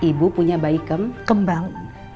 ibu punya bayi kembang